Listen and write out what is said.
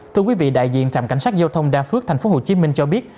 thưa quý vị đại diện trạm cảnh sát giao thông đa phước tp hcm cho biết